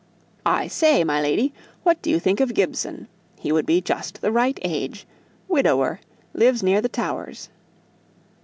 I say, my lady, what do you think of Gibson? He would be just the right age widower lives near the Towers?"